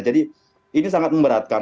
jadi ini sangat memberatkan